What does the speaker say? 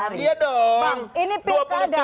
bang ini pilih kada